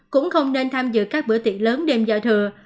cũng không nên tham dự các bữa tiệc lớn đêm giao thừa